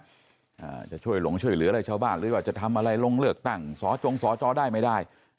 อาจจะช่วยหลงช่วยเหลืออะไรชาวบ้านหรือว่าจะทำอะไรลงเลือกตั้งสอจงสอจอได้ไม่ได้